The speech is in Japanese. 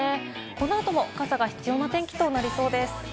この後も傘が必要な天気となりそうです。